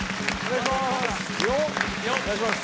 お願いします！